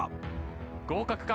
合格か？